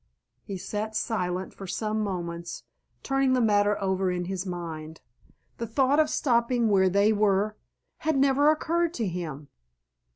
He sat silent for some moments turning the matter over in his mind. The thought of stopping where they were had never occurred to him.